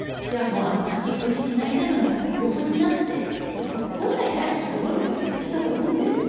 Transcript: もうカチンコチンになりながら横になって本来であれば断るべき話だと思うんですよ。